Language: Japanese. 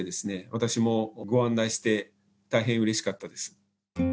私もご案内して大変うれしかったです。